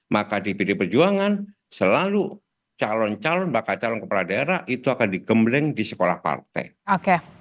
maka di pd perjuangan selalu calon calon bakal calon kepala daerah itu akan digembleng di sekolah partai